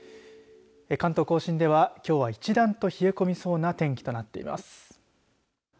関東甲信ではきょうは一段と冷え込みそうな天気となっています。